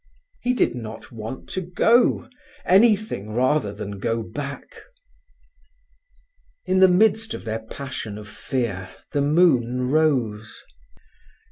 He did not want to go. Anything rather than go back. In the midst of their passion of fear the moon rose.